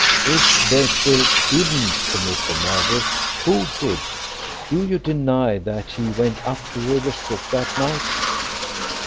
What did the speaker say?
If Birchill didn't commit the murder, who did? Do you deny that he went up to Riversbrook that night?"